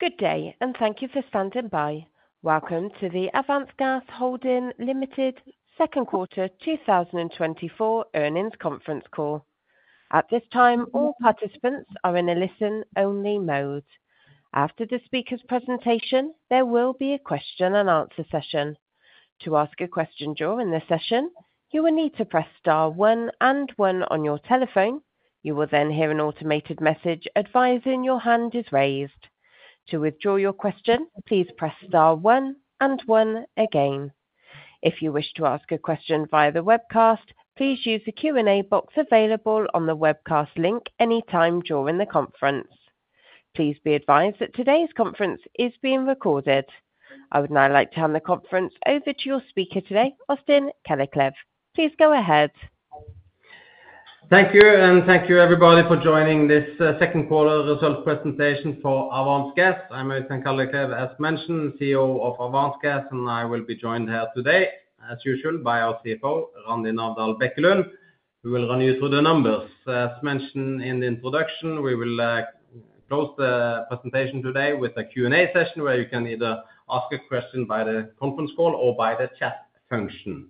Good day, and thank you for standing by. Welcome to the Avance Gas Holding Limited Second Quarter 2024 Earnings Conference Call. At this time, all participants are in a listen-only mode. After the speaker's presentation, there will be a question-and-answer session. To ask a question during the session, you will need to press star one and one on your telephone. You will then hear an automated message advising your hand is raised. To withdraw your question, please press star one and one again. If you wish to ask a question via the webcast, please use the Q&A box available on the webcast link any time during the conference. Please be advised that today's conference is being recorded. I would now like to hand the conference over to your speaker today, Øystein Kalleklev. Please go ahead. Thank you, and thank you everybody for joining this, Second Quarter Results Presentation For Avance Gas. I'm Øystein Kalleklev, as mentioned, CEO of Avance Gas, and I will be joined here today, as usual, by our CFO, Randi Navdal Bekkelund, who will run you through the numbers. As mentioned in the introduction, we will, close the presentation today with a Q&A session, where you can either ask a question by the conference call or by the chat function.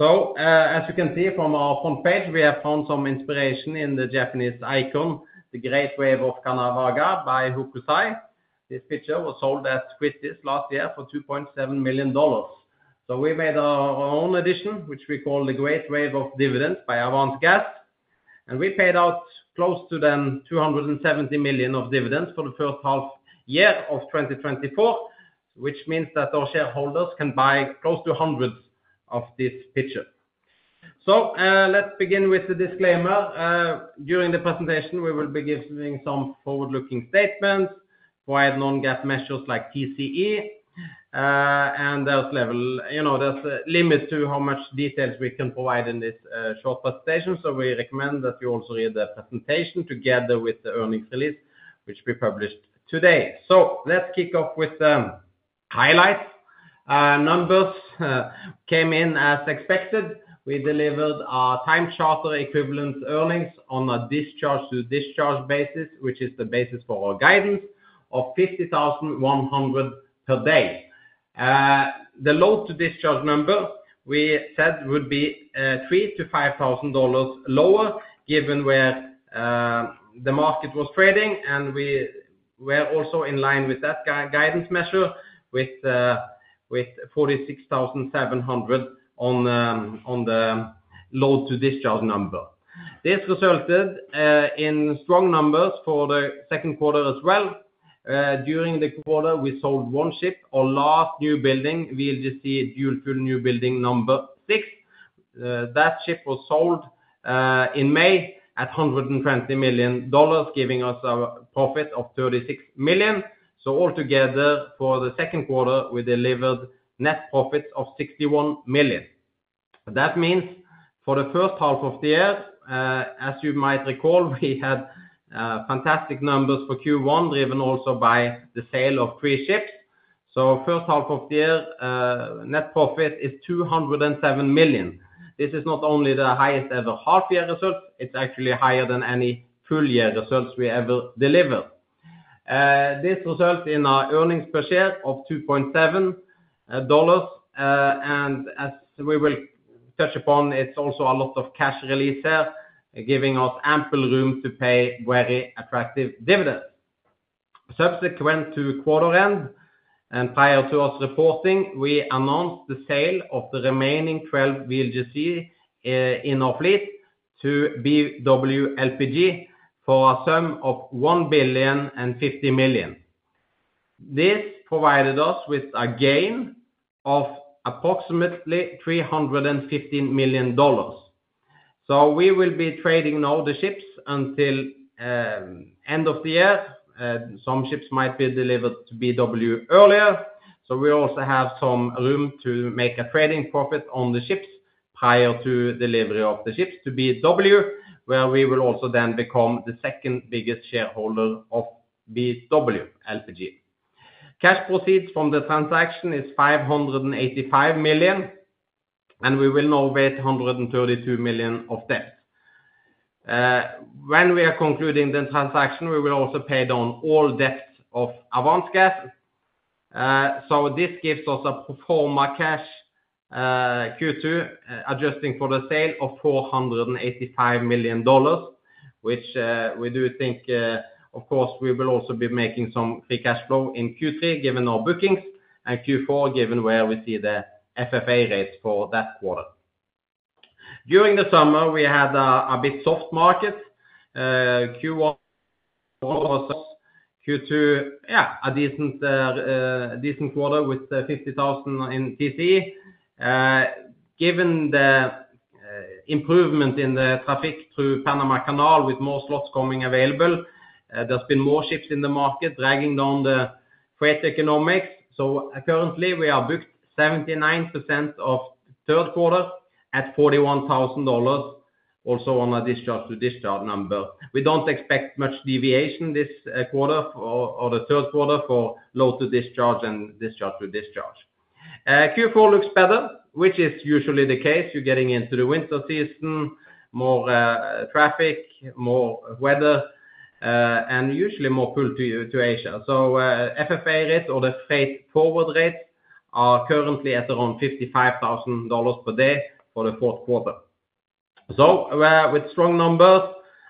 So, as you can see from our front page, we have found some inspiration in the Japanese icon, The Great Wave off Kanagawa by Hokusai. This picture was sold at Christie's last year for $2.7 million. So we made our own edition, which we call The Great Wave of Dividends by Avance Gas, and we paid out close to $270 million of dividends for the first half year of 2024, which means that our shareholders can buy close to hundreds of this picture. So, let's begin with the disclaimer. During the presentation, we will be giving some forward-looking statements, provide non-GAAP measures like TCE, and there's, you know, limits to how much details we can provide in this short presentation, so we recommend that you also read the presentation together with the earnings release, which we published today. So let's kick off with the highlights. Numbers came in as expected. We delivered our time charter equivalent earnings on a discharge-to-discharge basis, which is the basis for our guidance of $51,100 per day. The load-to-discharge number we said would be $3,000-$5,000 lower, given where the market was trading, and we were also in line with that guidance measure with the 46,700 on the load-to-discharge number. This resulted in strong numbers for the second quarter as well. During the quarter, we sold one ship, our last new building, VLGC dual fuel new building number six. That ship was sold in May at $120 million, giving us a profit of $36 million. So altogether, for the second quarter, we delivered net profits of $61 million. That means for the first half of the year, as you might recall, we had fantastic numbers for Q1, driven also by the sale of three ships, so first half of the year, net profit is $207 million. This is not only the highest ever half-year result, it's actually higher than any full-year results we ever delivered. This results in our earnings per share of $2.7, and as we will touch upon, it's also a lot of cash release here, giving us ample room to pay very attractive dividends. Subsequent to quarter end and prior to us reporting, we announced the sale of the remaining 12 VLGC in our fleet to BW LPG for a sum of $1.05 billion. This provided us with a gain of approximately $350 million. So we will be trading all the ships until end of the year. Some ships might be delivered to BW earlier, so we also have some room to make a trading profit on the ships prior to delivery of the ships to BW, where we will also then become the second biggest shareholder of BW LPG. Cash proceeds from the transaction is $585 million, and we will now raise $132 million of debt. When we are concluding the transaction, we will also pay down all debts of Avance Gas. So this gives us a pro forma cash Q2, adjusting for the sale of $485 million, which we do think, of course, we will also be making some free cash flow in Q3, given our bookings, and Q4, given where we see the FFA rates for that quarter. During the summer, we had a bit soft market. Q1, Q2, yeah, a decent quarter with $50,000 in TCE. Given the improvement in the traffic through Panama Canal, with more slots coming available, there's been more ships in the market dragging down the freight economics. So currently, we are booked 79% of third quarter at $41,000, also on a discharge-to-discharge number. We don't expect much deviation this quarter or the third quarter for load-to-discharge and discharge-to-discharge. Q4 looks better, which is usually the case. You're getting into the winter season, more traffic, more weather, and usually more pull to Asia. So, FFA rates or the forward freight rates are currently at around $55,000 per day for the fourth quarter. So, with strong numbers,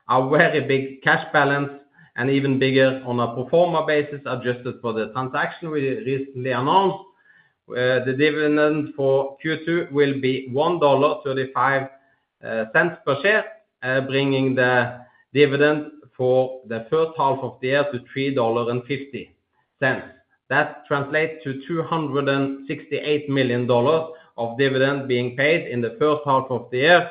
a very big cash balance and even bigger on a pro forma basis, adjusted for the transaction we recently announced, the dividend for Q2 will be $1.35 per share, bringing the dividend for the first half of the year to $3.50. That translates to $268 million of dividend being paid in the first half of the year,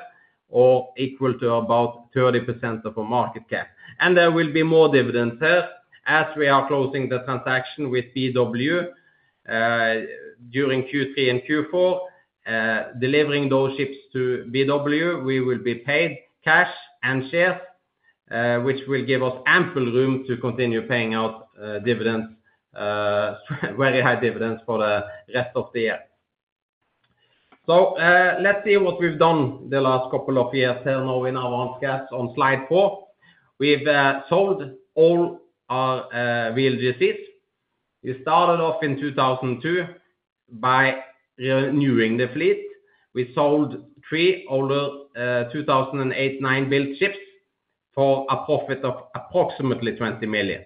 or equal to about 30% of our market cap. There will be more dividends here as we are closing the transaction with BW during Q3 and Q4. Delivering those ships to BW, we will be paid cash and shares, which will give us ample room to continue paying out dividends, very high dividends for the rest of the year. Let's see what we've done the last couple of years here now in Avance on slide four. We've sold all our VLGCs. We started off in 2002 by renewing the fleet. We sold three older 2008, 2009-built ships for a profit of approximately $20 million.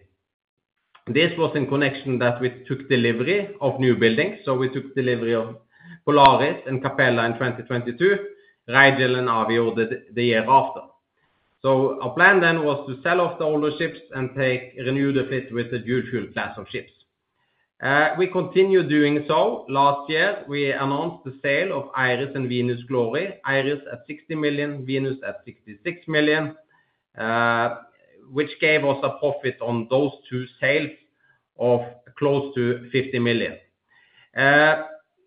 This was in connection that we took delivery of new buildings, so we took delivery of Polaris and Capella in 2022, Rigel and Avior ordered the year after. Our plan then was to sell off the older ships and renew the fleet with the dual-fuel class of ships. We continue doing so. Last year, we announced the sale of Iris Glory and Venus Glory. Iris at $60 million, Venus at $66 million, which gave us a profit on those two sales of close to $50 million.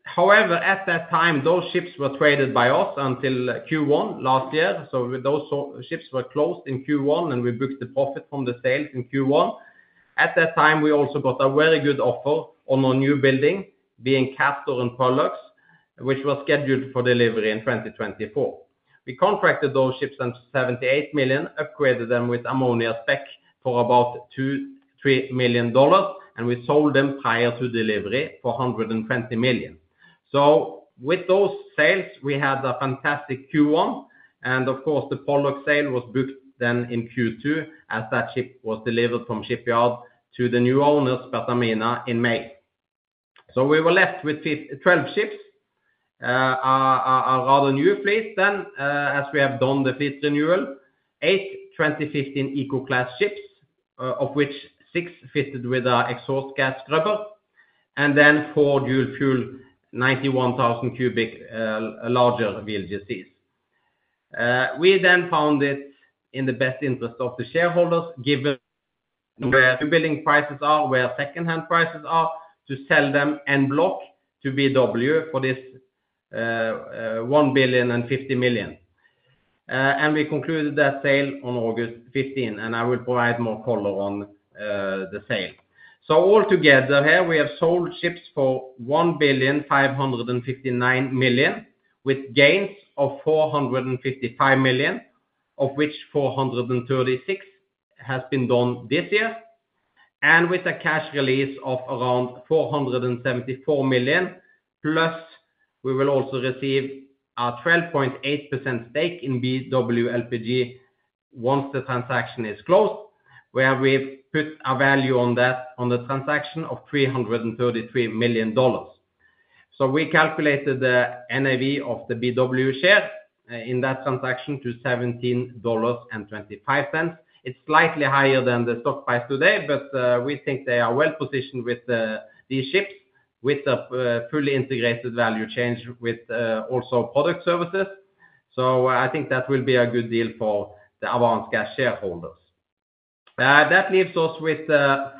However, at that time, those ships were traded by us until Q1 last year. So with those ships were closed in Q1, and we booked the profit from the sales in Q1. At that time, we also got a very good offer on our new building, being Castor and Pollux, which was scheduled for delivery in 2024. We contracted those ships at $78 million, upgraded them with ammonia spec for about $2-3 million, and we sold them prior to delivery for $120 million. So with those sales, we had a fantastic Q1, and of course, the Pollux sale was booked then in Q2, as that ship was delivered from shipyard to the new owners, Pertamina, in May. So we were left with 12 ships, our rather new fleet then, as we have done the fleet renewal, eight 2015 Eco-class ships, of which six fitted with our exhaust gas scrubber, and then four dual fuel, 91,000 cubic, larger VLGCs. We then found it in the best interest of the shareholders, given where new building prices are, where secondhand prices are, to sell them en bloc to BW for this $1.05 billion. And we concluded that sale on August 15, and I will provide more color on the sale. So altogether here, we have sold ships for $1.559 billion, with gains of $455 million, of which $436 million has been done this year, and with a cash release of around $474 million, plus we will also receive a 12.8% stake in BW LPG once the transaction is closed, where we've put a value on that, on the transaction, of $333 million. So we calculated the NAV of the BW share in that transaction to $17.25. It's slightly higher than the stock price today, but we think they are well positioned with these ships, with the fully integrated value chain, with also product services. So I think that will be a good deal for the Avance shareholders. That leaves us with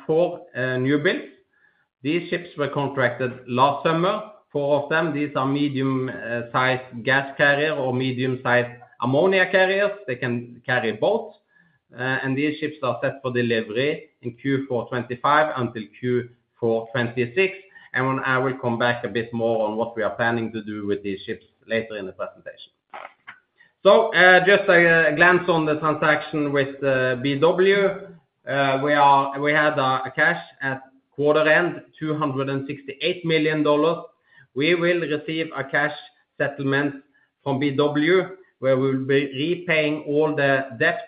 four new builds. These ships were contracted last summer. Four of them, these are medium size gas carrier or medium-sized ammonia carriers. They can carry both. And these ships are set for delivery in Q4 2025 until Q4 2026. And I will come back a bit more on what we are planning to do with these ships later in the presentation. So just a glance on the transaction with BW. We had a cash at quarter end of $268 million. We will receive a cash settlement from BW, where we will be repaying all the debt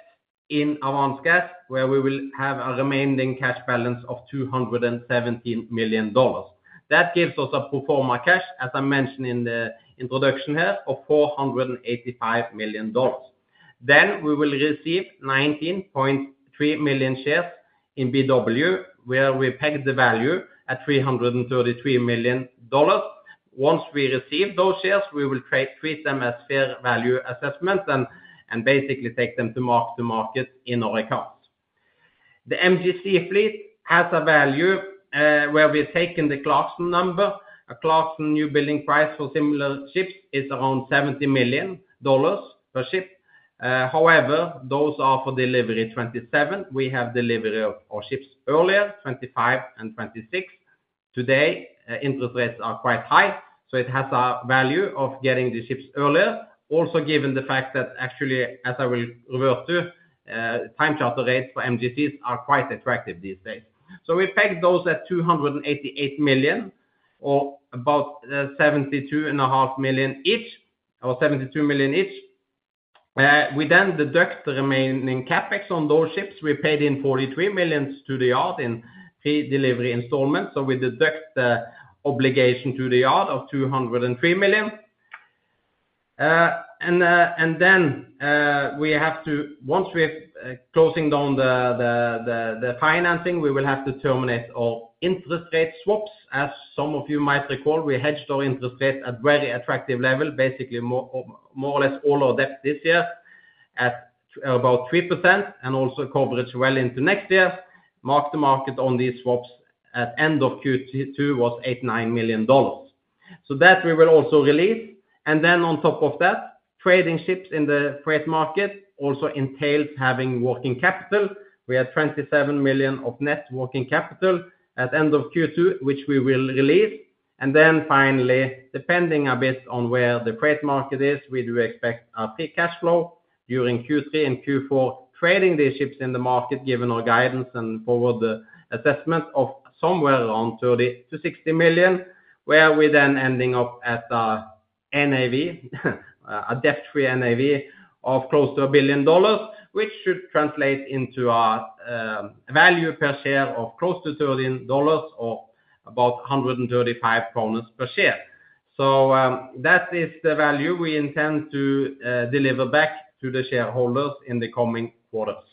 in Avance, where we will have a remaining cash balance of $217 million. That gives us a pro forma cash, as I mentioned in the introduction here, of $485 million. Then we will receive 19.3 million shares in BW, where we pegged the value at $333 million. Once we receive those shares, we will treat them as fair value assessments and basically take them to mark-to-market in our accounts. The MGC fleet has a value, where we've taken the Clarksons number. A Clarksons new building price for similar ships is around $70 million per ship. However, those are for delivery 2027. We have delivery of our ships earlier, 2025 and 2026. Today, interest rates are quite high, so it has a value of getting the ships earlier. Also, given the fact that actually, as I will refer to, time charter rates for MGCs are quite attractive these days. So we pegged those at $288 million, or about $72.5 million each, or $72 million each. We then deduct the remaining CapEx on those ships. We paid in $43 million to the yard in pre-delivery installments, so we deduct the obligation to the yard of $203 million. And then, once we have closing down the financing, we will have to terminate our interest rate swaps. As some of you might recall, we hedged our interest rate at very attractive level, basically more or less all our debt this year at about 3% and also coverage well into next year. Mark-to-market on these swaps at end of Q2 was $8-$9 million. So that we will also release. And then on top of that, trading ships in the freight market also entails having working capital. We had 27 million of net working capital at end of Q2, which we will release. Then finally, depending a bit on where the freight market is, we do expect our peak cash flow during Q3 and Q4, trading these ships in the market, given our guidance and forward assessment of somewhere around $30-60 million, where we then ending up at a NAV, a debt-free NAV of close to $1 billion, which should translate into a value per share of close to $13 or about 135 kroner per share. That is the value we intend to deliver back to the shareholders in the coming quarters.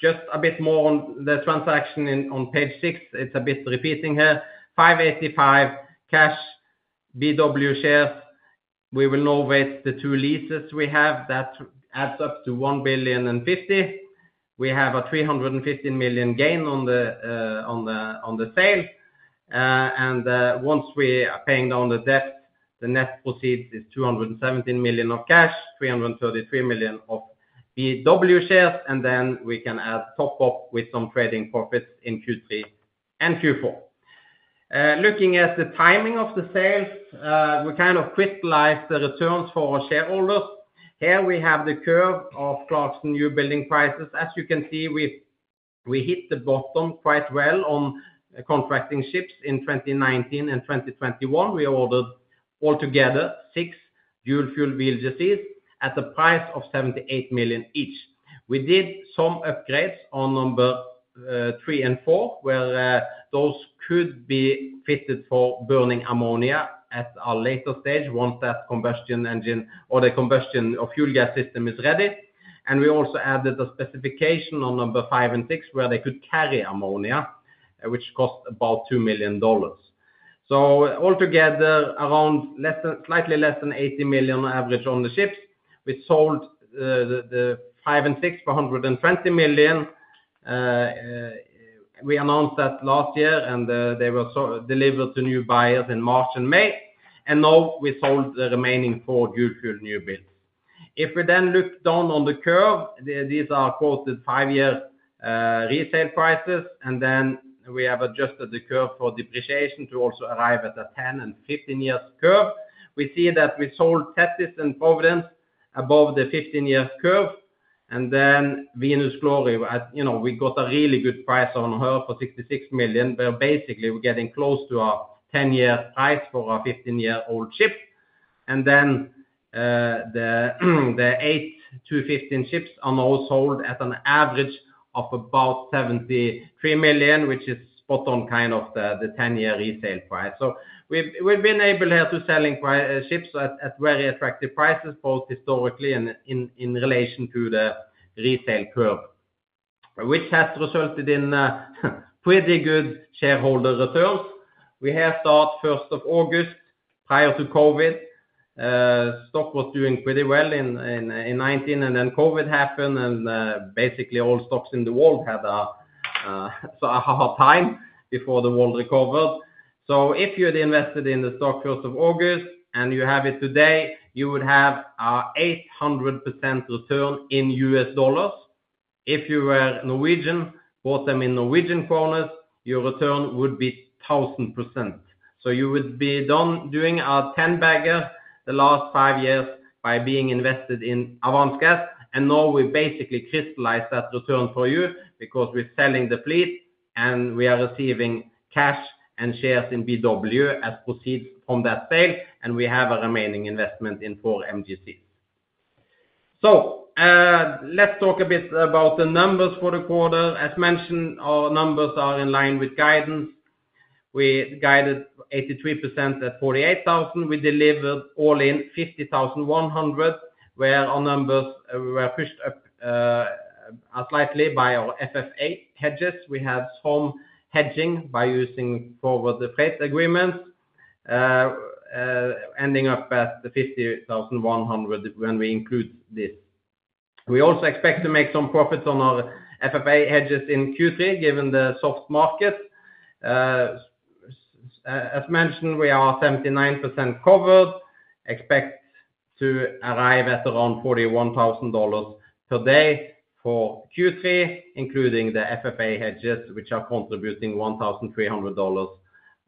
Just a bit more on the transaction on page six, it's a bit repeating here. $585 cash BW shares, we will now raise the two leases we have. That adds up to $1.05 billion. We have a $350 million gain on the sale. And once we are paying down the debt, the net proceeds is $217 million of cash, $333 million of BW shares, and then we can add top up with some trading profits in Q3 and Q4. Looking at the timing of the sales, we kind of crystallize the returns for our shareholders. Here we have the curve of Clarksons new building prices. As you can see, we hit the bottom quite well on contracting ships in 2019 and 2021. We ordered altogether six dual-fuel MGCs at the price of $78 million each. We did some upgrades on number three and four, where those could be fitted for burning ammonia at a later stage, once that combustion engine or the combustion of fuel gas system is ready. And we also added a specification on number five and six, where they could carry ammonia, which cost about $2 million. So altogether, around less than, slightly less than $80 million average on the ships. We sold the five and six for $120 million. We announced that last year, and they were so delivered to new buyers in March and May, and now we sold the remaining four dual fuel new builds. If we then look down on the curve, these are quoted 5-year resale prices, and then we have adjusted the curve for depreciation to also arrive at a 10- and 15-year curve. We see that we sold Thetis and Providence above the 15-year curve, and then Venus Glory, as you know, we got a really good price on her for $66 million, where basically we're getting close to a 10-year price for a 15-year-old ship, and then the 8-15 ships are now sold at an average of about $73 million, which is spot on kind of the ten-year resale price. So we've been able here to selling ships at very attractive prices, both historically and in relation to the resale curve, which has resulted in pretty good shareholder returns. We have start first of August, prior to COVID. Stock was doing pretty well in 2019, and then COVID happened, and basically all stocks in the world had a hard time before the world recovered. So if you had invested in the stock first of August and you have it today, you would have an 800% return in U.S. dollars. If you were Norwegian, bought them in Norwegian kronas, your return would be 1,000%. So you would be done doing a ten-bagger the last five years by being invested in Avance Gas, and now we basically crystallize that return for you because we're selling the fleet, and we are receiving cash and shares in BW as proceeds from that sale, and we have a remaining investment in four MGCs. So, let's talk a bit about the numbers for the quarter. As mentioned, our numbers are in line with guidance. We guided 83% at $48,000. We delivered all in $51,000, where our numbers were pushed up slightly by our FFA hedges. We had some hedging by using forward freight agreements, ending up at the $51,000 when we include this. We also expect to make some profits on our FFA hedges in Q3, given the soft market. As mentioned, we are 79% covered, expect to arrive at around $41,000 today for Q3, including the FFA hedges, which are contributing $1,300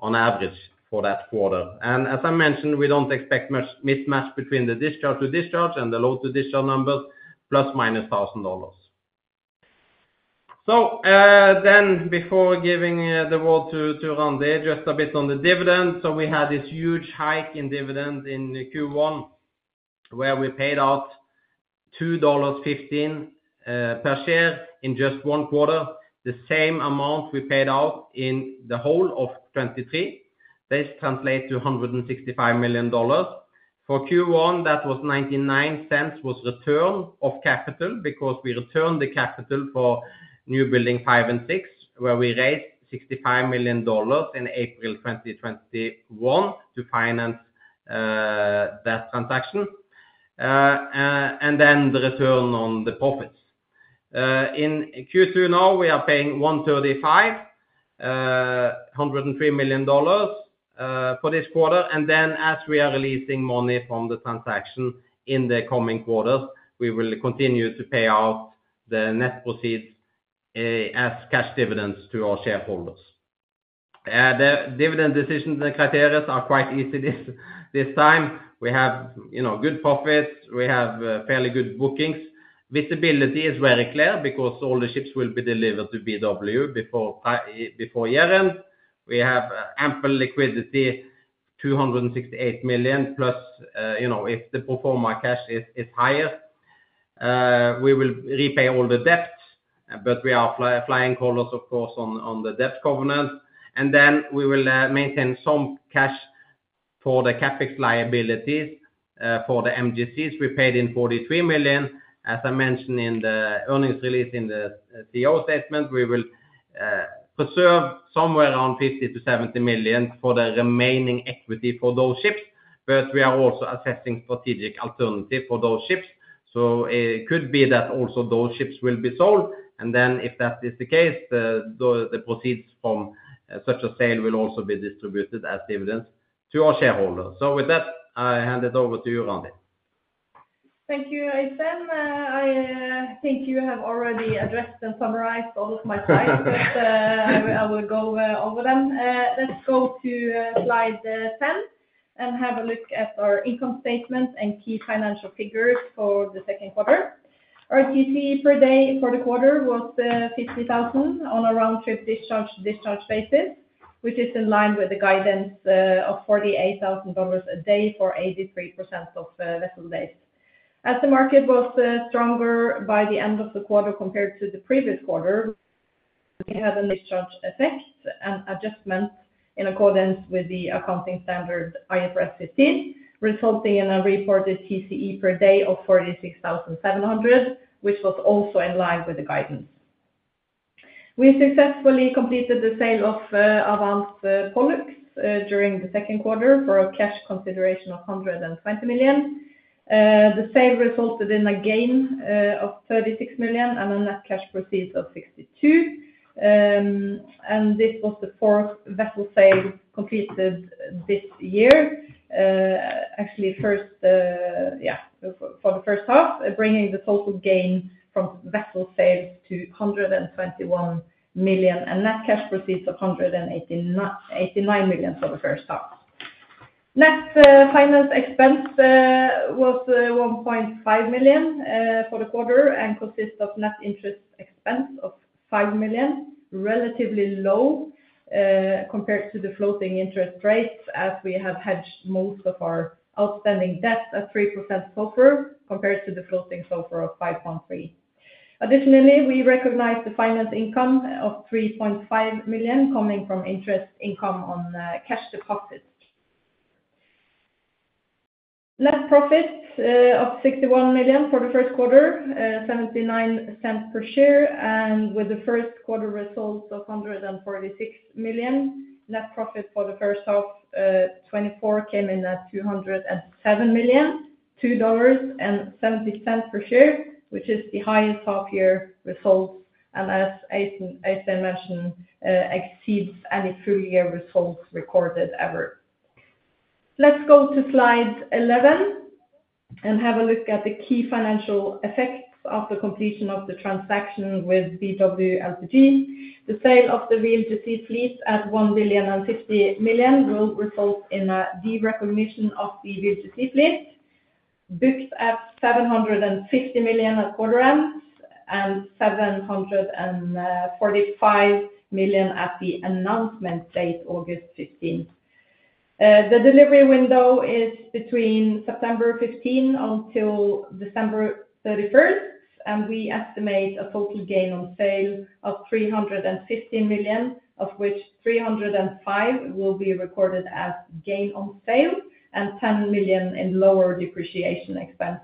on average for that quarter. And as I mentioned, we don't expect much mismatch between the discharge to discharge and the load to discharge numbers, ±$1,000. So, then before giving the word to Randi, just a bit on the dividend. We had this huge hike in dividend in Q1, where we paid out $2.15 per share in just one quarter, the same amount we paid out in the whole of 2023. This translates to $165 million. For Q1, that was $0.99 return of capital because we returned the capital for new building five and six, where we raised $65 million in April 2021 to finance that transaction, and then the return on the profits. In Q2 now, we are paying $1.35, $103 million for this quarter. And then as we are releasing money from the transaction in the coming quarters, we will continue to pay out the net proceeds as cash dividends to our shareholders. The dividend decisions and criteria are quite easy this time. We have, you know, good profits, we have fairly good bookings. Visibility is very clear because all the ships will be delivered to BW before year-end. We have ample liquidity, $268 million+, you know, if the pro forma cash is higher, we will repay all the debts, but we are flying colors, of course, on the debt covenant. Then we will maintain some cash for the CapEx liabilities for the MGCs. We paid in $43 million, as I mentioned in the earnings release in the CEO statement, we will preserve somewhere around $50-$70 million for the remaining equity for those ships. But we are also assessing strategic alternative for those ships. So it could be that also those ships will be sold, and then if that is the case, the proceeds from such a sale will also be distributed as dividends to our shareholders. So with that, I hand it over to you, Randi. Thank you, Øystein. I think you have already addressed and summarized all of my slides, but I will go over them. Let's go to slide 10, and have a look at our income statement and key financial figures for the second quarter. Our TCE per day for the quarter was $50,000 on a round-trip discharge-to-discharge basis, which is in line with the guidance of $48,000 a day for 83% of vessel days. As the market was stronger by the end of the quarter compared to the previous quarter, we had a discharge effect and adjustment in accordance with the accounting standard IFRS 15, resulting in a reported TCE per day of $46,700, which was also in line with the guidance. We successfully completed the sale of Avance Pollux during the second quarter for a cash consideration of $120 million. The sale resulted in a gain of $36 million and a net cash proceed of $62 million. This was the fourth vessel sale completed this year. Actually, for the first half, bringing the total gain from vessel sales to $121 million, and net cash proceeds of $89 million for the first half. Net finance expense was $1.5 million for the quarter, and consists of net interest expense of $5 million, relatively low, compared to the floating interest rates, as we have hedged most of our outstanding debt at 3% SOFR, compared to the floating SOFR of 5.3. Additionally, we recognize the finance income of $3.5 million coming from interest income on cash deposits. Net profit of $61 million for the first quarter, $0.79 per share, and with the first quarter results of $146 million, net profit for the first half 2024 came in at $207 million, $2.70 per share, which is the highest half-year results, and as Øystein mentioned, exceeds any full-year results recorded ever. Let's go to slide 11, and have a look at the key financial effects of the completion of the transaction with BW LPG. The sale of the VLGC fleet at $1.05 billion will result in a derecognition of the VLGC fleet, booked at $750 million at quarter end, and $745 million at the announcement date, August 15th. The delivery window is between September 15 until December 31st, and we estimate a total gain on sale of $350 million, of which $305 million will be recorded as gain on sale and $10 million in lower depreciation expense.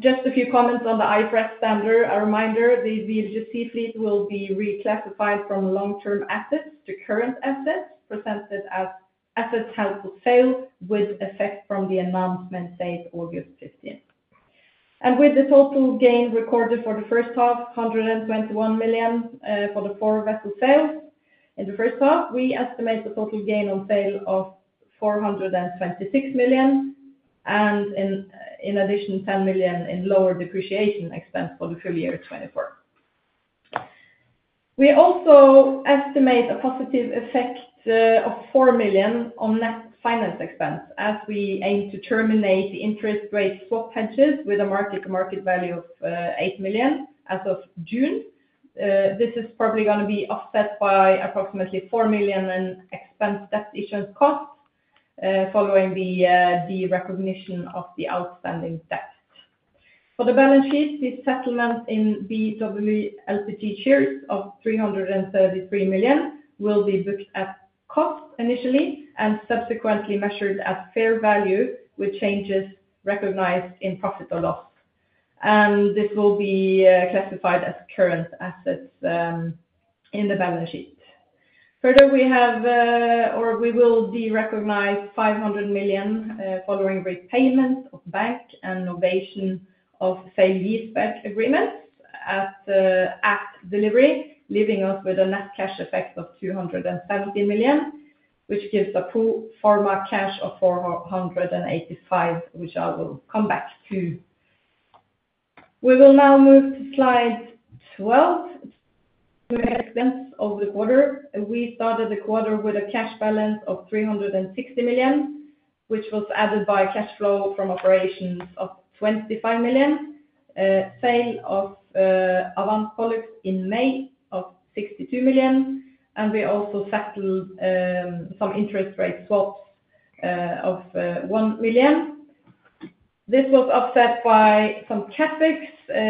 Just a few comments on the IFRS standard. A reminder, the VLGC fleet will be reclassified from long-term assets to current assets, presented as assets held for sale, with effect from the announcement date, August 15th. And with the total gain recorded for the first half, $121 million, for the four vessel sales. In the first half, we estimate the total gain on sale of $426 million, and in addition, $10 million in lower depreciation expense for the full year 2024. We also estimate a positive effect of $4 million on net finance expense, as we aim to terminate the interest rate swap hedges with a market value of $8 million as of June. This is probably gonna be offset by approximately $4 million in expense debt issue costs following the recognition of the outstanding debt. For the balance sheet, the settlement in BW LPG shares of $333 million will be booked at cost initially, and subsequently measured at fair value, with changes recognized in profit or loss. This will be classified as current assets in the balance sheet. Further, we have, or we will derecognize $500 million, following repayments of bank and novation of sale leaseback agreements at delivery, leaving us with a net cash effect of $270 million, which gives a pro forma cash of $485 million, which I will come back to. We will now move to slide 12, expense over the quarter. We started the quarter with a cash balance of $360 million, which was added by cash flow from operations of $25 million, sale of Avance Pollux in May of $62 million, and we also settled some interest rate swaps of $1 million. This was offset by some CapEx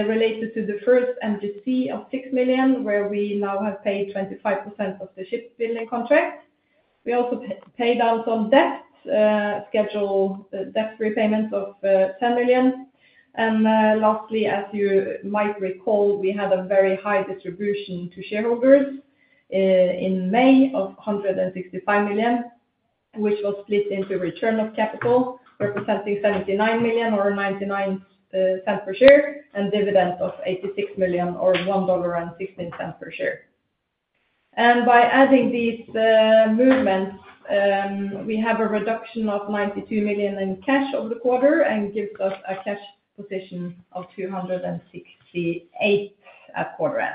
related to the first MGC of $6 million, where we now have paid 25% of the shipbuilding contract. We also paid out on debt schedule, debt repayments of $10 million. Lastly, as you might recall, we had a very high distribution to shareholders in May of $165 million, which was split into return of capital, representing $79 million or $0.99 per share, and dividend of $86 million or $1.16 per share. By adding these movements, we have a reduction of $92 million in cash over the quarter, and gives us a cash position of $268 million at quarter end.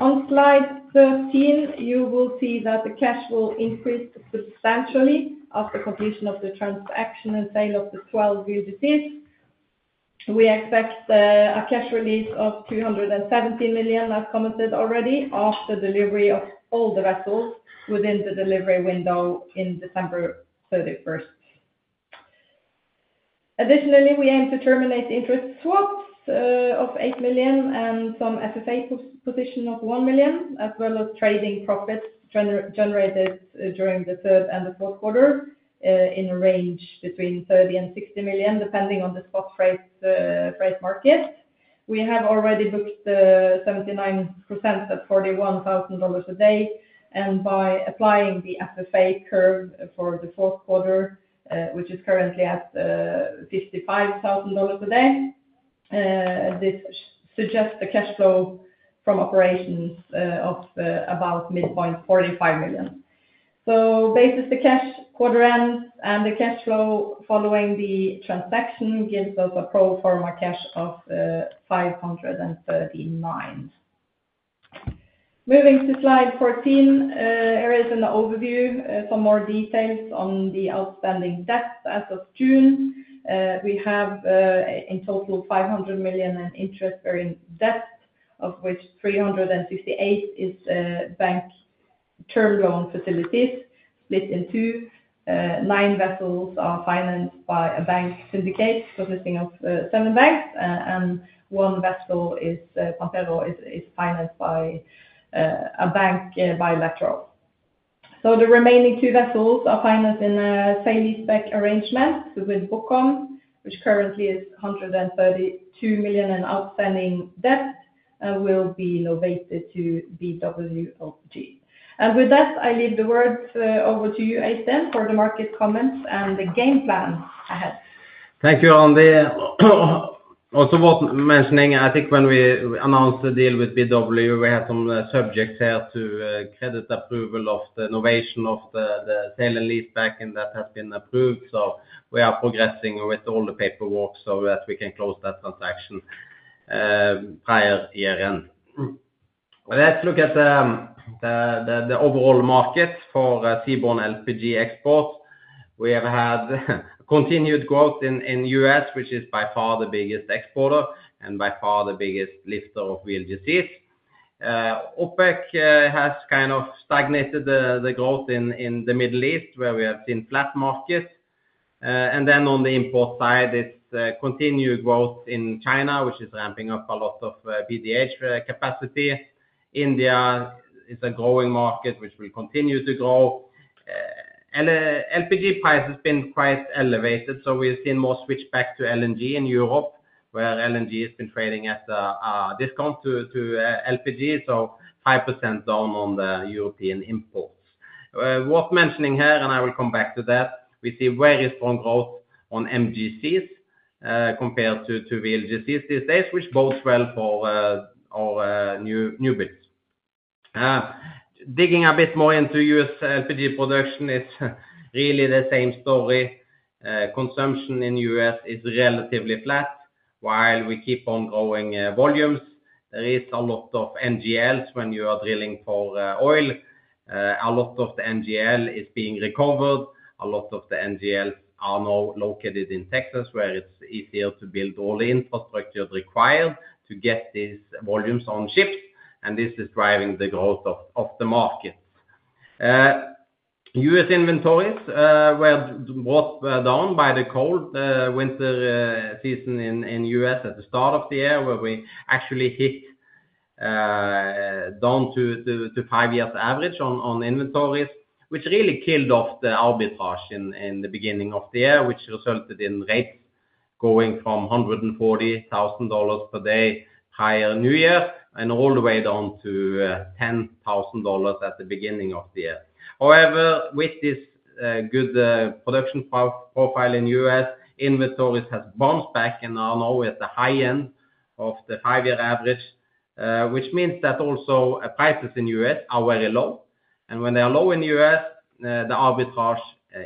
On slide 13, you will see that the cash will increase substantially after completion of the transaction and sale of the 12 VLGCs. We expect a cash release of $270 million, as commented already, after delivery of all the vessels within the delivery window in December 31st. Additionally, we aim to terminate interest swaps of $8 million and some FFA position of $1 million, as well as trading profits generated during the third and the fourth quarter in a range between $30 million and $60 million, depending on the spot price market. We have already booked 79% at $41,000 a day, and by applying the FFA curve for the fourth quarter, which is currently at $55,000 a day, this suggests the cash flow from operations of about mid-point $45 million. Based on the cash quarter-end and the cash flow following the transaction gives us a pro forma cash of $539 million. Moving to slide 14, here is an overview, some more details on the outstanding debt as of June. We have, in total, $500 million in interest-bearing debt, of which $358 million is bank term loan facilities, split in two. Nine vessels are financed by a bank syndicate, consisting of seven banks, and one vessel, Pampero, is financed by a bank bilateral. So the remaining two vessels are financed in a sale and leaseback arrangement with BoComm, which currently is $132 million in outstanding debt, will be novated to BW LPG. And with that, I leave the word over to you, Øystein, for the market comments and the game plan ahead. Thank you, Randi. Also worth mentioning, I think when we announced the deal with BW, we had some subjects here to credit approval of the novation of the sale and leaseback, and that has been approved. So we are progressing with all the paperwork so that we can close that transaction prior year-end. Let's look at the overall market for seaborne LPG exports. We have had continued growth in U.S., which is by far the biggest exporter and by far the biggest leaser of VLGCs. OPEC has kind of stagnated the growth in the Middle East, where we have seen flat markets. And then on the import side, it's continued growth in China, which is ramping up a lot of PDH capacity. India is a growing market, which will continue to grow. LPG price has been quite elevated, so we've seen more switch back to LNG in Europe, where LNG has been trading at a discount to LPG, so 5% down on the European imports. Worth mentioning here, and I will come back to that, we see very strong growth on MGCs compared to VLGCs these days, which bodes well for our new builds. Digging a bit more into U.S. LPG production, it's really the same story. Consumption in the U.S. is relatively flat, while we keep on growing volumes. There is a lot of NGLs when you are drilling for oil. A lot of the NGL is being recovered. A lot of the NGLs are now located in Texas, where it's easier to build all the infrastructure required to get these volumes on ships, and this is driving the growth of the market. U.S. inventories were brought down by the cold winter season in U.S. at the start of the year, where we actually hit down to the five-year average on inventories, which really killed off the arbitrage in the beginning of the year. Which resulted in rates going from $140,000 per day over New Year, and all the way down to $10,000 at the beginning of the year. However, with this good production profile in the U.S., inventories has bounced back and are now at the high end of the five-year average. Which means that also prices in U.S. are very low, and when they are low in the U.S., the arbitrage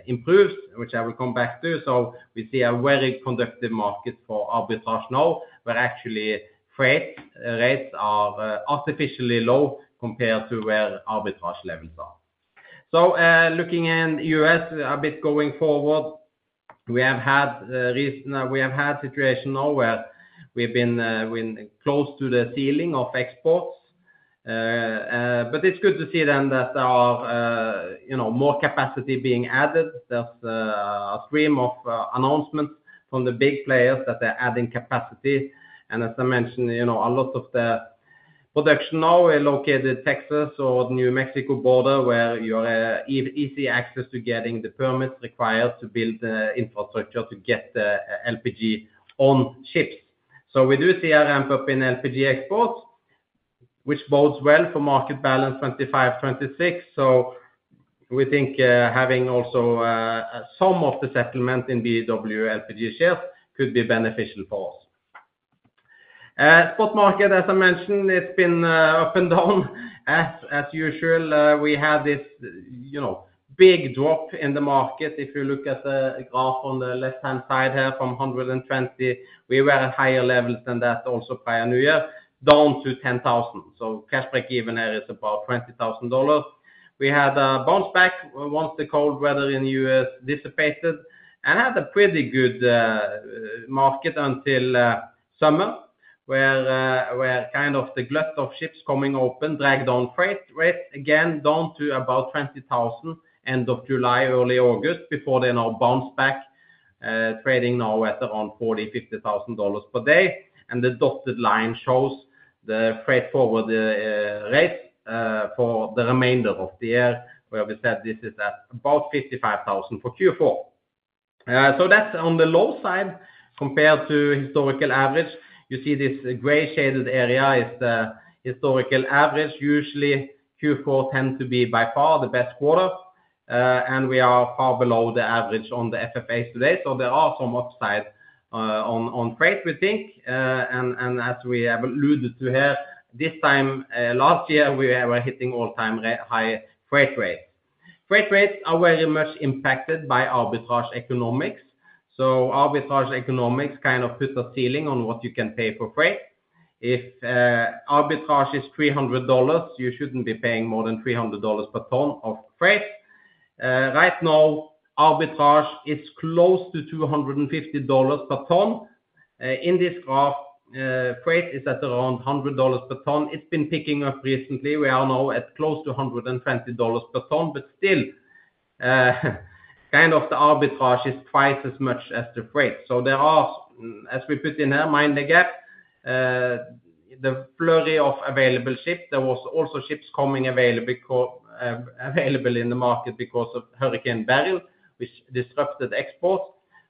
improves, which I will come back to. So we see a very conducive market for arbitrage now, where actually freight rates are artificially low compared to where arbitrage levels are. So, looking in the U.S. a bit going forward, we have had situation now where we've been when close to the ceiling of exports. But it's good to see then that our, you know, more capacity being added. There's a stream of announcements from the big players that they're adding capacity. As I mentioned, you know, a lot of the production now are located in Texas or New Mexico border, where you have easy access to getting the permits required to build the infrastructure to get the LPG on ships. We do see a ramp up in LPG exports, which bodes well for market balance 2025, 2026. We think having also some of the settlement in BW LPG ships could be beneficial for us. Spot market, as I mentioned, it's been up and down as usual. We had this, you know, big drop in the market. If you look at the graph on the left-hand side here, from $120,000, we were at higher levels than that also prior new year, down to $10,000. So cash break-even there is about $20,000. We had a bounce back once the cold weather in the U.S. dissipated, and had a pretty good market until summer, where kind of the glut of ships coming open dragged on freight rates again, down to about $20,000, end of July, early August, before they now bounce back, trading now at around $40,000-$50,000 per day. The dotted line shows the freight forward rates for the remainder of the year, where we said this is at about $55,000 for Q4. So that's on the low side compared to historical average. You see this gray shaded area is the historical average. Usually, Q4 tends to be by far the best quarter, and we are far below the average on the FFAs today, so there are some upsides on freight, we think. As we have alluded to here, this time last year, we were hitting all-time record high freight rates. Freight rates are very much impacted by arbitrage economics, so arbitrage economics kind of put a ceiling on what you can pay for freight. If arbitrage is $300, you shouldn't be paying more than $300 per ton of freight. Right now, arbitrage is close to $250 per ton. In this graph, freight is at around $100 per ton. It's been picking up recently. We are now at close to $120 per ton, but still, kind of the arbitrage is twice as much as the freight. So there are, as we put in our mind, the gap, the plethora of available ships. There was also ships coming available in the market because of Hurricane Beryl, which disrupted exports.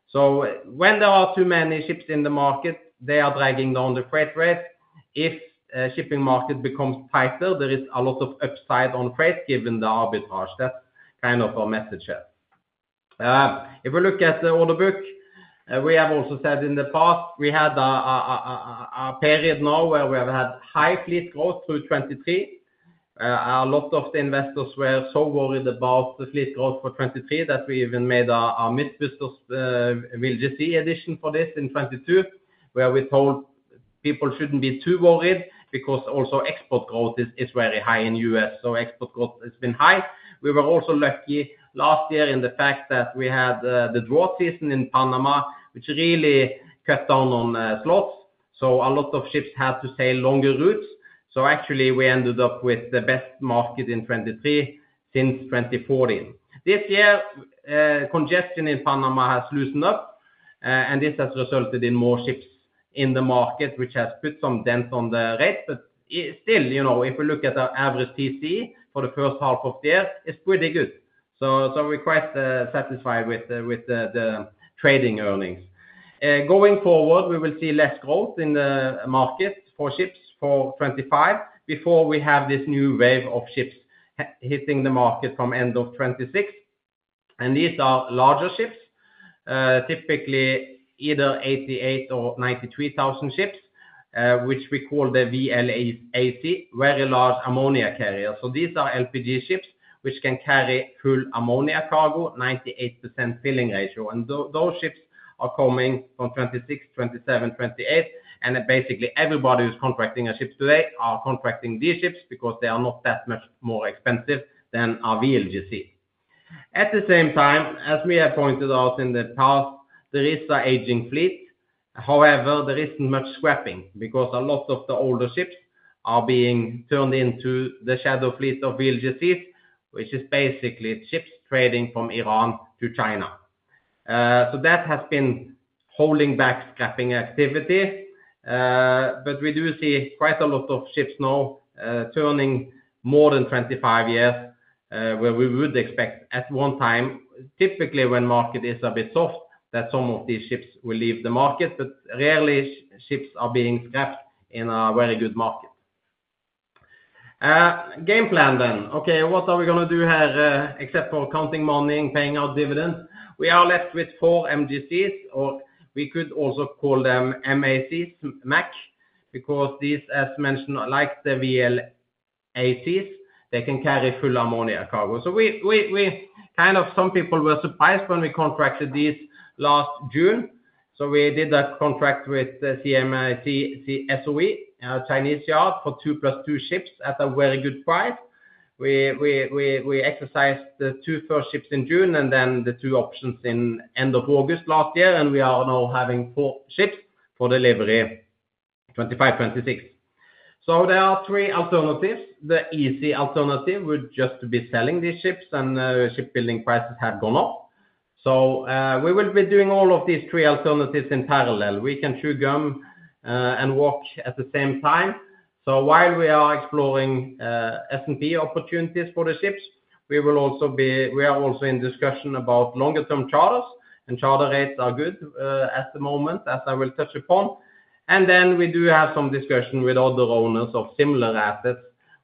So when there are too many ships in the market, they are dragging down the freight rates. If shipping market becomes tighter, there is a lot of upside on freight, given the arbitrage. That's kind of our message here. If we look at the order book, we have also said in the past, we had a period now where we have had high fleet growth through 2023. A lot of the investors were so worried about the fleet growth for 2023, that we even made a Mythbusters VLGC edition for this in 2022, where we told people shouldn't be too worried, because also export growth is very high in the U.S. So export growth has been high. We were also lucky last year in the fact that we had the drought season in Panama, which really cut down on slots. So a lot of ships had to sail longer routes. So actually, we ended up with the best market in 2023 since 2014. This year, congestion in Panama has loosened up, and this has resulted in more ships in the market, which has put some dent on the rates. But still, you know, if you look at the average TC for the first half of the year, it's pretty good. So we're quite satisfied with the trading earnings. Going forward, we will see less growth in the market for ships for 2025, before we have this new wave of ships hitting the market from end of 2026. These are larger ships, typically either 88,000 or 93,000 ships, which we call the VLAC, Very Large Ammonia Carrier. These are LPG ships which can carry full ammonia cargo, 98% filling ratio. Those ships are coming from 2026, 2027, 2028, and basically everybody who's contracting our ships today are contracting these ships because they are not that much more expensive than our VLGC. At the same time, as we have pointed out in the past, there is an aging fleet. However, there isn't much scrapping, because a lot of the older ships are being turned into the shadow fleet of VLGCs, which is basically ships trading from Iran to China. So that has been holding back scrapping activity, but we do see quite a lot of ships now turning more than 25 years, where we would expect at one time, typically when market is a bit soft, that some of these ships will leave the market, but rarely ships are being scrapped in a very good market. Game plan then. Okay, what are we gonna do here, except for counting money and paying out dividends? We are left with four MGCs, or we could also call them MACs, MAC, because these, as mentioned, like the VLACs, they can carry full ammonia cargo. So we kind of, some people were surprised when we contracted these last June. So we did a contract with the CIMC SOE, Chinese yard, for 2+2 ships at a very good price. We exercised the two first ships in June, and then the two options in end of August last year, and we are now having four ships for delivery, 2025, 2026. So there are three alternatives. The easy alternative would just be selling these ships, and shipbuilding prices have gone up. So we will be doing all of these three alternatives in parallel. We can chew gum and walk at the same time. So while we are exploring S&P opportunities for the ships, we will also be, we are also in discussion about longer-term charters, and charter rates are good at the moment, as I will touch upon. Then we do have some discussion with other owners of similar assets,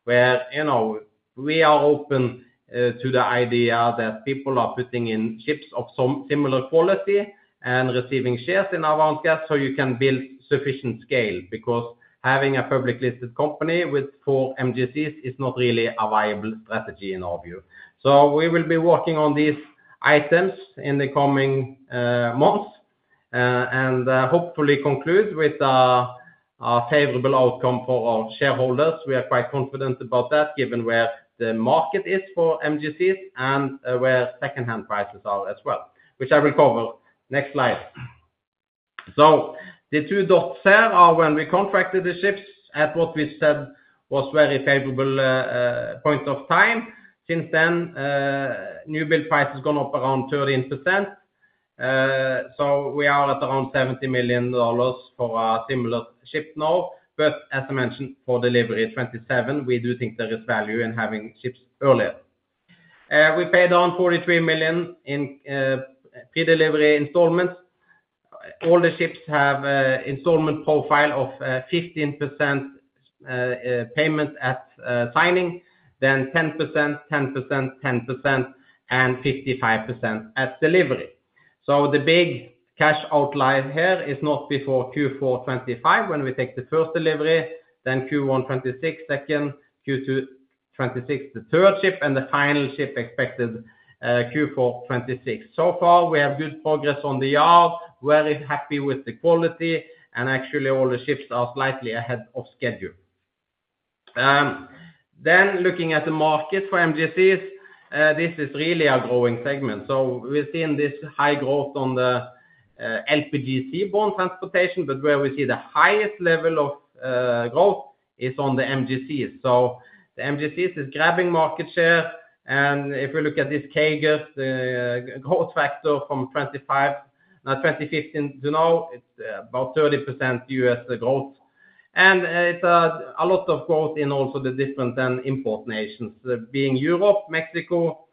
where, you know, we are open to the idea that people are putting in ships of some similar quality and receiving shares in Avance Gas, so you can build sufficient scale, because having a publicly listed company with four MGCs is not really a viable strategy in our view. We will be working on these items in the coming months, and hopefully conclude with a favorable outcome for our shareholders. We are quite confident about that, given where the market is for MGCs and where secondhand prices are as well, which I will cover. Next slide. The two dots here are when we contracted the ships at what we said was very favorable point of time. Since then, newbuild price has gone up around 13%. So we are at around $70 million for a similar ship now, but as I mentioned, for delivery 2027, we do think there is value in having ships earlier. We paid down $43 million in pre-delivery installments. All the ships have an installment profile of 15% payment at signing, then 10%, 10%, 10%, and 55% at delivery. So the big cash outflow here is not before Q4 2025, when we take the first delivery, then Q1 2026, second, Q2 2026, the third ship, and the final ship expected Q4 2026. So far, we have good progress on the yard, very happy with the quality, and actually all the ships are slightly ahead of schedule. Then looking at the market for MGCs, this is really a growing segment. So we've seen this high growth on the LPG seaborne transportation, but where we see the highest level of growth is on the MGCs. So the MGCs is grabbing market share, and if we look at this CAGR growth factor from 2015 to now, it's about 30% U.S. growth. And it's a lot of growth in also the different end import nations, being Europe, Mexico,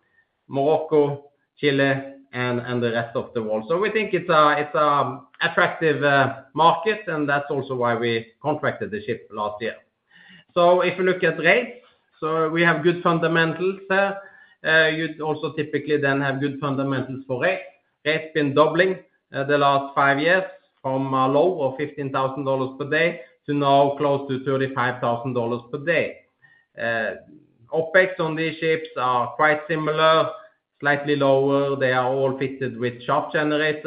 Morocco, Chile, and the rest of the world. So we think it's an attractive market, and that's also why we contracted the ship last year. So if you look at rates, so we have good fundamentals there. You'd also typically then have good fundamentals for rates. Rates have been doubling the last five years from a low of $15,000 per day to now close to $35,000 per day. OpEx on these ships are quite similar, slightly lower. They are all fitted with scrubbers.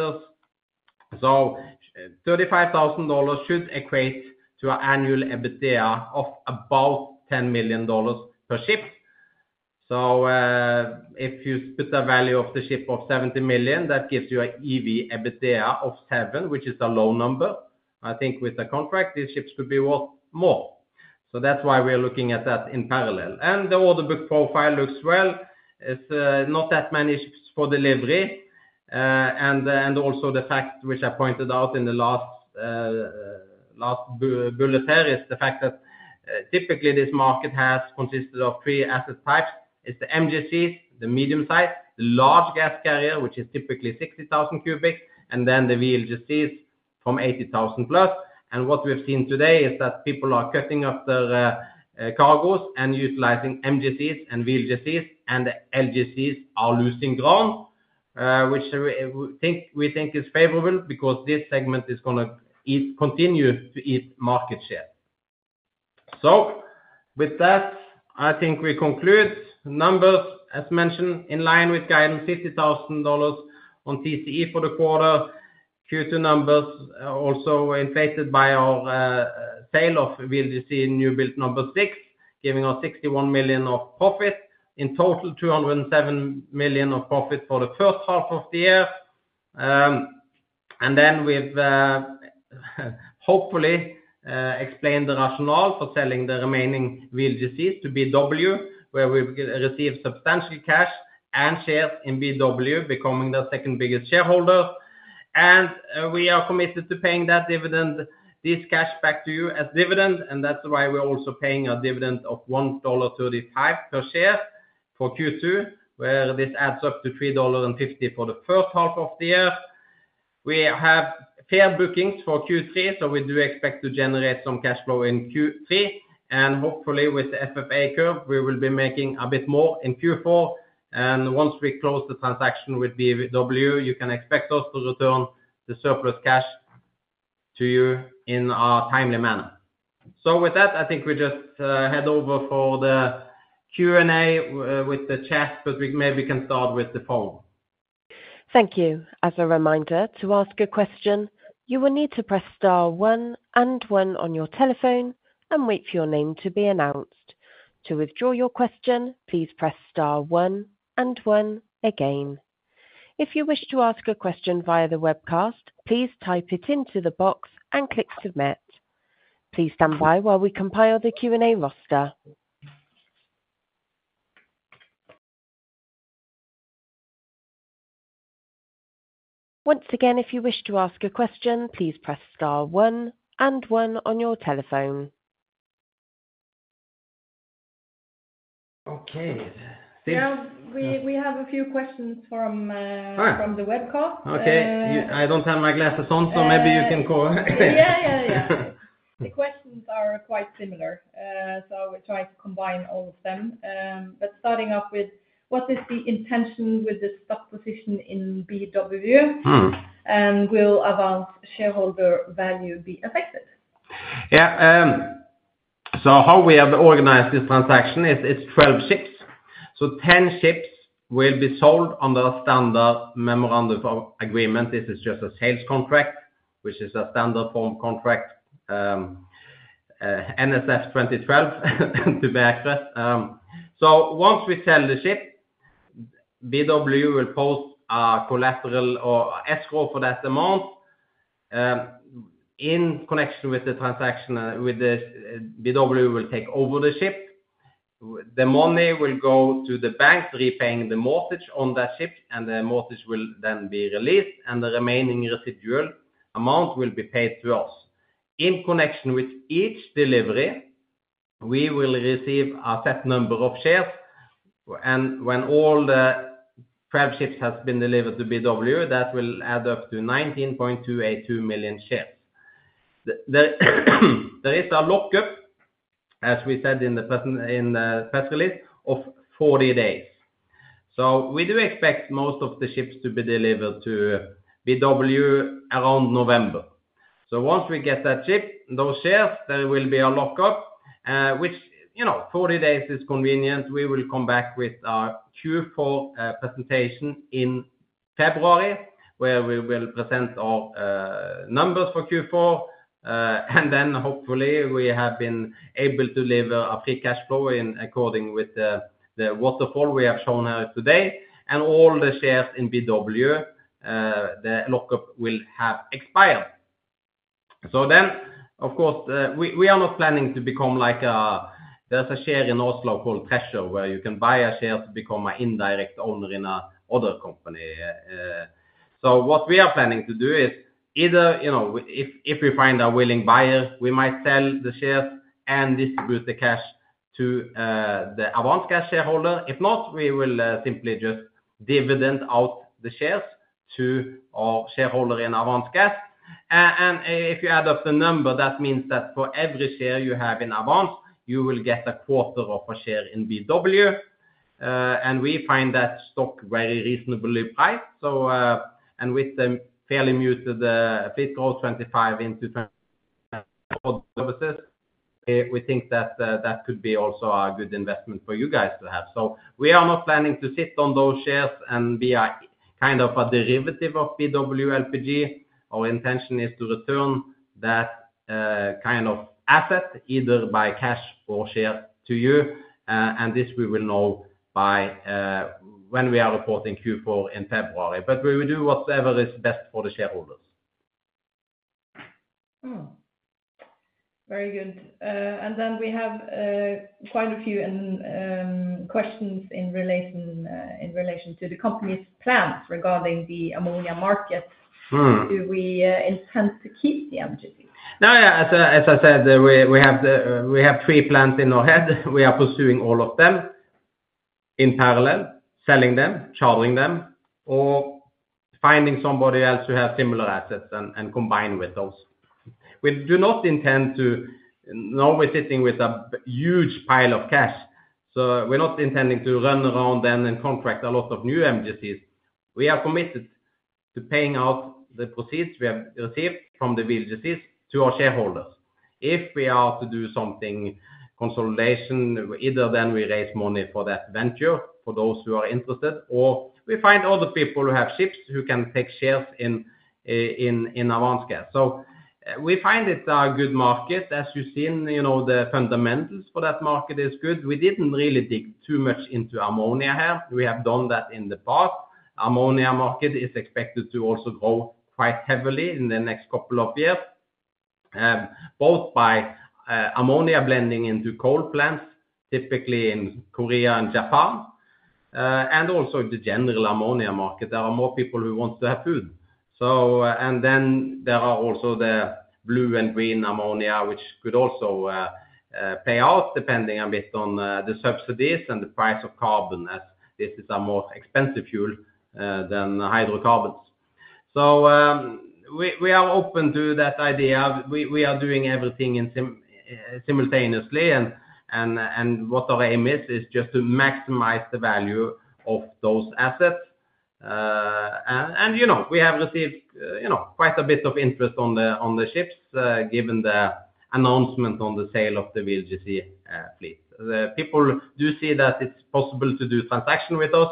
So $35,000 should equate to an annual EBITDA of about $10 million per ship. So, if you put the value of the ship of $70 million, that gives you an EV/EBITDA of 7, which is a low number. I think with the contract, these ships could be worth more. So that's why we are looking at that in parallel. And the order book profile looks well. It's not that many ships for delivery. And also the fact, which I pointed out in the last. Last bullet here is the fact that typically this market has consisted of three asset types. It's the MGCs, the medium size, the large gas carrier, which is typically 60,000 cubic, and then the VLGCs from 80,000+. And what we've seen today is that people are cutting up their cargos and utilizing MGCs and VLGCs, and the LGCs are losing ground, which we think is favorable because this segment is gonna continue to eat market share. So with that, I think we conclude. Numbers, as mentioned, in line with guidance, $50,000 on TCE for the quarter. Q2 numbers are also inflated by our sale of VLGC newbuild number six, giving us $61 million of profit. In total, $207 million of profit for the first half of the year. And then we've hopefully explained the rationale for selling the remaining VLGCs to BW, where we've received substantial cash and shares in BW, becoming the second biggest shareholder. And we are committed to paying that dividend, this cash back to you as dividend, and that's why we're also paying a dividend of $1.35 per share for Q2, where this adds up to $3.50 for the first half of the year. We have fair bookings for Q3, so we do expect to generate some cash flow in Q3, and hopefully with the FFA curve, we will be making a bit more in Q4. And once we close the transaction with BW, you can expect us to return the surplus cash to you in a timely manner. So with that, I think we just head over for the Q&A with the chat, but we maybe can start with the phone. Thank you. As a reminder, to ask a question, you will need to press star one and one on your telephone and wait for your name to be announced. To withdraw your question, please press star one and one again. If you wish to ask a question via the webcast, please type it into the box and click Submit. Please stand by while we compile the Q&A roster. Once again, if you wish to ask a question, please press star one and one on your telephone. Okay. This- We have a few questions from... Ah! From the webcast. Okay. Uh- I don't have my glasses on, so maybe you can go. Yeah, yeah, yeah. The questions are quite similar, so I will try to combine all of them, but starting off with, what is the intention with the stock position in BW? Mm. Will Avance shareholder value be affected? Yeah, so how we have organized this transaction is it's 12 ships. So 10 ships will be sold under a standard memorandum of agreement. This is just a sales contract, which is a standard form contract, NSF 2012, to be exact. So once we sell the ship, BW will post collateral or escrow for that amount. In connection with the transaction, BW will take over the ship. The money will go to the banks, repaying the mortgage on that ship, and the mortgage will then be released, and the remaining residual amount will be paid to us. In connection with each delivery, we will receive a set number of shares, and when all the 12 ships has been delivered to BW, that will add up to 19.282 million shares. There is a lockup, as we said in the presentation in the press release, of 40 days. So we do expect most of the ships to be delivered to BW around November. So once we get that ship, those shares, there will be a lockup, which, you know, 40 days is convenient. We will come back with our Q4 presentation in February, where we will present our numbers for Q4, and then hopefully, we have been able to deliver a free cash flow in accordance with the waterfall we have shown today. And all the shares in BW, the lockup will have expired. So then, of course, we are not planning to become like a. There's a share in Oslo called Treasure, where you can buy a share to become an indirect owner in another company. So what we are planning to do is either, you know, if we find a willing buyer, we might sell the shares and distribute the cash to the Avance Gas shareholder. If not, we will simply just dividend out the shares to our shareholder in Avance Gas. And if you add up the number, that means that for every share you have in Avance, you will get a quarter of a share in BW. And we find that stock very reasonably priced. And with the fairly muted fiscal 2025 into 2026, we think that could be also a good investment for you guys to have. So we are not planning to sit on those shares and be a kind of a derivative of BW LPG. Our intention is to return that kind of asset, either by cash or share, to you, and this we will know by when we are reporting Q4 in February. But we will do whatever is best for the shareholders. Mm.... Very good. And then we have quite a few questions in relation to the company's plans regarding the ammonia market. Mm. Do we intend to keep the MGC? No, yeah, as I said, we have three plans in our head. We are pursuing all of them in parallel, selling them, chartering them, or finding somebody else who have similar assets and combine with those. We do not intend to. Now we're sitting with a huge pile of cash, so we're not intending to run around then and contract a lot of new MGCs. We are committed to paying out the proceeds we have received from the VLGCs to our shareholders. If we are to do some consolidation, either then we raise money for that venture, for those who are interested, or we find other people who have ships who can take shares in Avance Gas. So we find it a good market, as you've seen, you know, the fundamentals for that market is good. We didn't really dig too much into ammonia here. We have done that in the past. Ammonia market is expected to also grow quite heavily in the next couple of years, both by ammonia blending into coal plants, typically in Korea and Japan, and also in the general ammonia market, there are more people who want to have food, so and then there are also the blue and green ammonia, which could also pay off, depending a bit on the subsidies and the price of carbon, as this is a more expensive fuel than hydrocarbons, so we are open to that idea. We are doing everything simultaneously, and what our aim is just to maximize the value of those assets. You know, we have received you know, quite a bit of interest on the ships, given the announcement on the sale of the VLGC fleet. The people do see that it's possible to do transaction with us.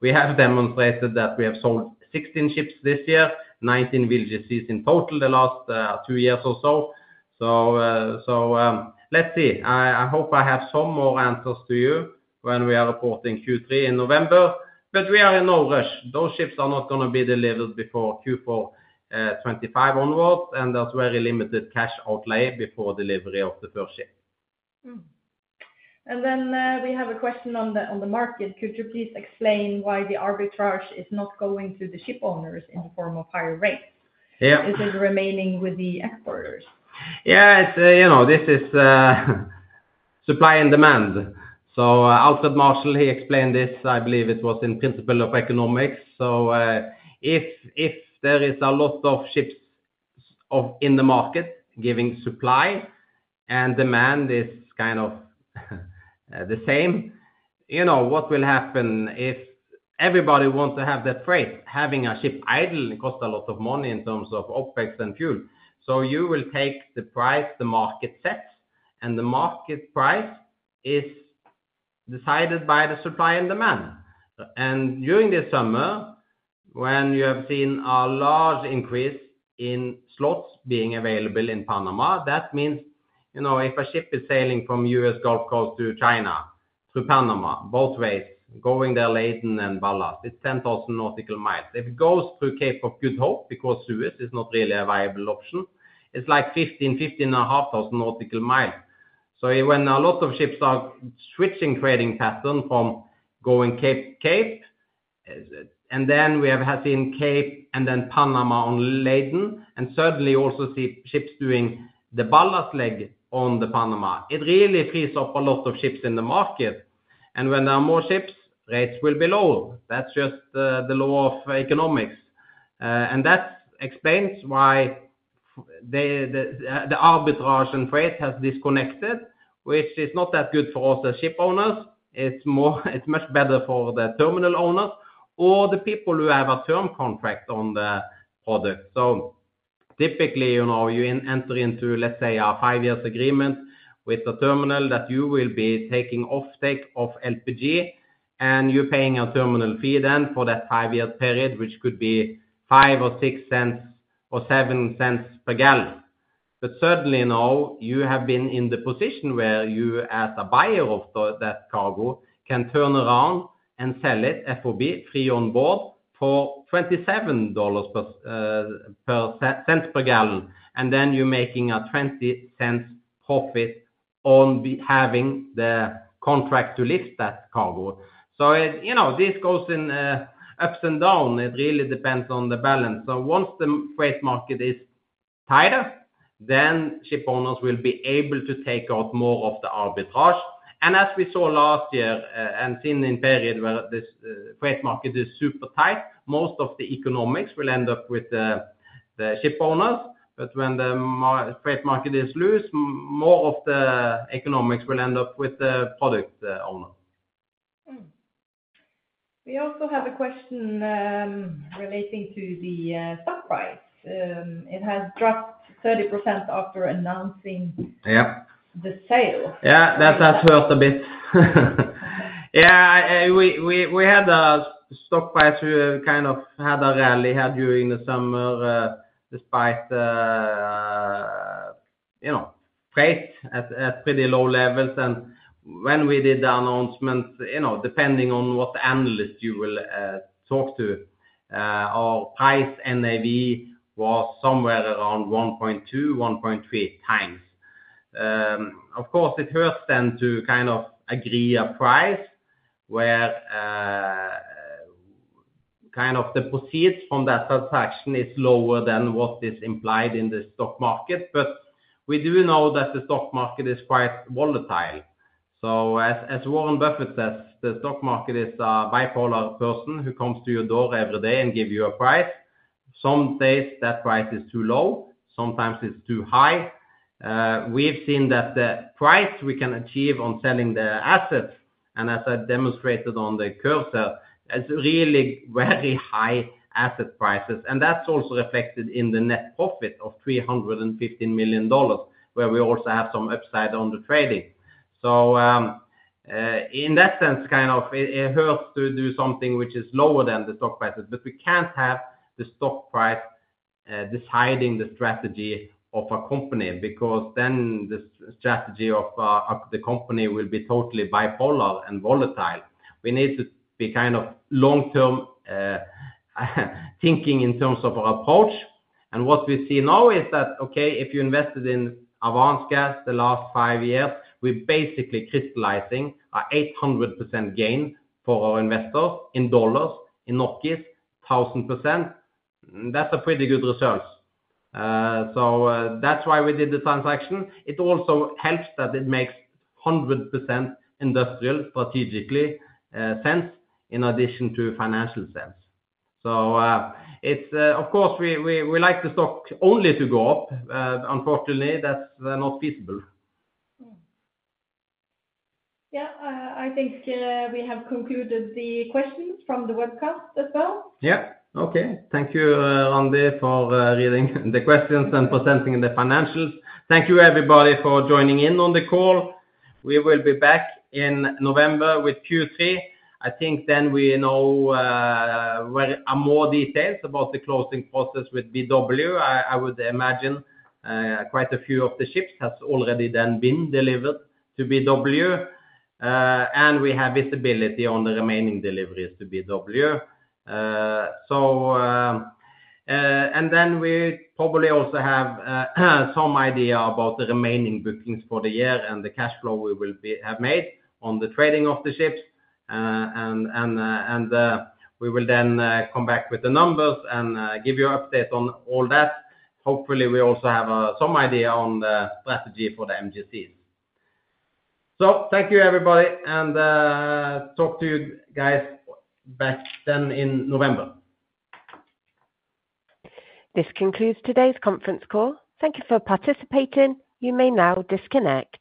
We have demonstrated that we have sold 16 ships this year, 19 VLGCs in total the last two years or so. Let's see. I hope I have some more answers to you when we are reporting Q3 in November, but we are in no rush. Those ships are not gonna be delivered before Q4 2025 onwards, and there's very limited cash outlay before delivery of the first ship. And then, we have a question on the market: Could you please explain why the arbitrage is not going to the shipowners in the form of higher rates? Yeah. Is it remaining with the exporters? Yeah, it's, you know, this is supply and demand. So Alfred Marshall, he explained this, I believe it was in Principles of Economics. So if there is a lot of ships in the market, given supply and demand is kind of the same, you know, what will happen if everybody wants to have that freight? Having a ship idle, it costs a lot of money in terms of OpEx and fuel. So you will take the price the market sets, and the market price is decided by the supply and demand. And during this summer, when you have seen a large increase in slots being available in Panama, that means, you know, if a ship is sailing from U.S. Gulf Coast to China, through Panama, both ways, going there laden and ballast, it's 10,000 nautical miles. If it goes through Cape of Good Hope, because Suez is not really a viable option, it's like 15-15.5 thousand nautical miles. So when a lot of ships are switching trading pattern from going Cape, and then we have seen Cape and then Panama on laden, and suddenly also see ships doing the ballast leg on the Panama, it really frees up a lot of ships in the market. When there are more ships, rates will be low. That's just the law of economics. And that explains why the arbitrage and freight has disconnected, which is not that good for us, the shipowners. It's more, it's much better for the terminal owners or the people who have a term contract on the product. So typically, you know, you enter into, let's say, a five-year agreement with the terminal, that you will be taking off of LPG, and you're paying a terminal fee then for that five-year period, which could be $0.05 or $0.06 or $0.07 per gallon. But certainly now, you have been in the position where you, as a buyer of the, that cargo, can turn around and sell it, FOB, free on board, for $0.27 per gallon, and then you're making a $0.20 profit on having the contract to lift that cargo. So it, you know, this goes in ups and down. It really depends on the balance. So once the freight market is tighter, then shipowners will be able to take out more of the arbitrage. And as we saw last year, and seen in period where this freight market is super tight, most of the economics will end up with the shipowners. But when the freight market is loose, more of the economics will end up with the product owner. We also have a question relating to the stock price. It has dropped 30% after announcing- Yeah -the sale. Yeah, that has hurt a bit. Yeah, we had a stock price. We kind of had a rally here during the summer, despite, you know, freight at pretty low levels. And when we did the announcement, you know, depending on what analyst you will talk to, our price/NAV was somewhere around 1.2, 1.3 times. Of course, it hurts then to kind of agree a price where, kind of the proceeds from that transaction is lower than what is implied in the stock market. But we do know that the stock market is quite volatile. So as Warren Buffett says, "The stock market is a bipolar person who comes to your door every day and give you a price." Some days that price is too low, sometimes it's too high. We've seen that the price we can achieve on selling the assets, and as I demonstrated on the cursor, is really very high asset prices, and that's also reflected in the net profit of $315 million, where we also have some upside on the trading. In that sense, kind of, it hurts to do something which is lower than the stock prices, but we can't have the stock price deciding the strategy of a company, because then the strategy of the company will be totally bipolar and volatile. We need to be kind of long-term thinking in terms of our approach. What we see now is that, okay, if you invested in Avance Gas the last five years, we're basically crystallizing an 800% gain for our investors in dollars, in NOK is, 1,000%. That's a pretty good results. That's why we did the transaction. It also helps that it makes 100% industrial, strategically, sense, in addition to financial sense. It's... Of course, we like the stock only to go up, unfortunately, that's not feasible. Yeah. I think we have concluded the questions from the webcast as well. Yeah. Okay. Thank you, Randi, for reading the questions and presenting the financials. Thank you, everybody, for joining in on the call. We will be back in November with Q3. I think then we know where are more details about the closing process with BW. I would imagine quite a few of the ships has already then been delivered to BW and we have visibility on the remaining deliveries to BW. And then we probably also have some idea about the remaining bookings for the year and the cash flow we will have made on the trading of the ships. We will then come back with the numbers and give you an update on all that. Hopefully, we also have some idea on the strategy for the MGC. So thank you, everybody, and talk to you guys back then in November. This concludes today's conference call. Thank you for participating. You may now disconnect.